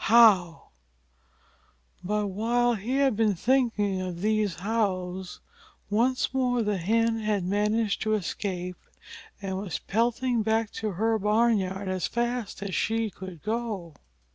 How" but while he had been thinking of these hows, once more the Hen had managed to escape, and was pelting back to her barnyard as fast as she could go.